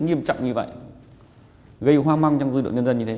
nghiêm trọng như vậy gây hoa măng trong dư đội nhân dân như thế